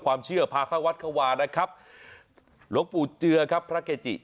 ความเชื่อพาเข้าวัดเข้าวานะครับหลวงปู่เจือครับพระเกจิ